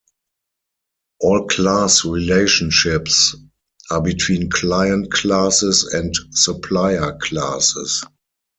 All class relationships are between client classes and supplier classes.